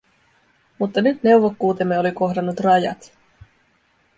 Mutta nyt neuvokkuutemme oli kohdannut rajat.